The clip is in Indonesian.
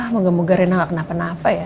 moga moga rena gak kena penapa ya